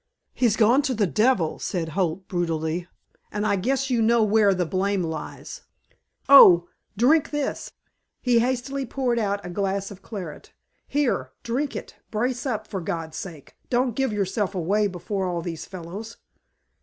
"He's gone to the devil!" said Holt brutally. "And I guess you know where the blame lies Oh! Drink this!" He hastily poured out a glass of claret. "Here! Drink it! Brace up, for God's sake. Don't give yourself away before all these fellows."